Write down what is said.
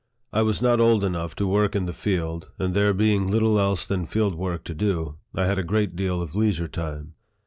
I was not old enough to work in the field, and there being little else than field work to do, I had a great deal of leisure time.